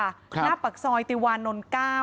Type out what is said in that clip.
หน้าปากซอยติวานนท์๙